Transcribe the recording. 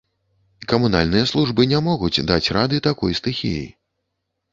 Камунальныя службы не могуць даць рады такой стыхіі.